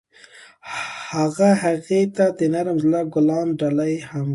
هغه هغې ته د نرم زړه ګلان ډالۍ هم کړل.